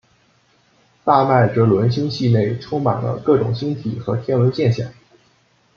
大麦哲伦星系内充满了各种星体和天文现象。